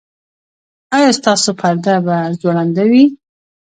ایا ستاسو پرده به ځوړنده وي؟